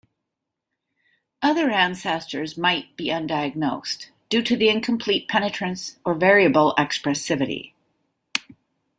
Other ancestors might be undiagnosed due to the incomplete penetrance or variable expressivity.